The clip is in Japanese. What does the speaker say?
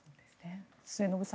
末延さん